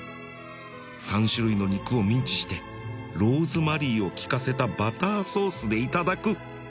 ３種類の肉をミンチしてローズマリーを利かせたバターソースで頂く